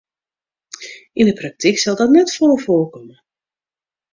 Yn 'e praktyk sil dat net folle foarkomme.